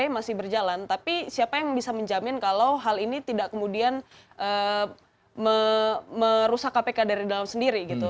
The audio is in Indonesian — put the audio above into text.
masih berjalan tapi siapa yang bisa menjamin kalau hal ini tidak kemudian merusak kpk dari dalam sendiri gitu